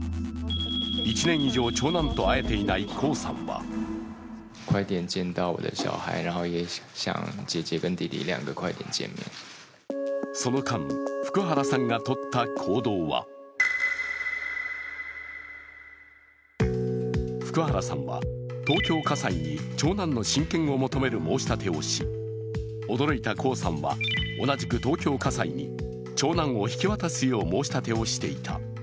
１年以上長男と会えていない江さんはその間、福原さんがとった行動は福原さんは東京家裁に長男の親権を求める申し立てをし、驚いた江さんは同じく東京家裁に長男を引き渡すよう申し立てをしていた。